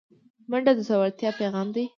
منډه د زړورتیا پیغام دی